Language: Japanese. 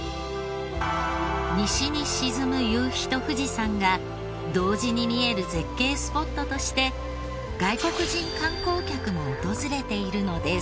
西に沈む夕日と富士山が同時に見える絶景スポットとして外国人観光客も訪れているのです。